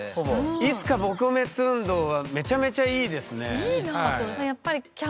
「いつか撲滅運動」はめちゃめちゃいいですね。